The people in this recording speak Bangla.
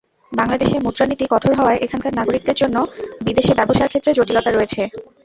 বাংলাদেশের মুদ্রানীতি কঠোর হওয়ায় এখানকার নাগরিকদের জন্য বিদেশে ব্যবসার ক্ষেত্রে জটিলতা রয়েছে।